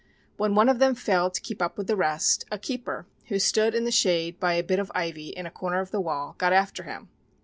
When one of them failed to keep up with the rest, a keeper, who stood in the shade by a bit of ivy in a corner of the wall, got after him.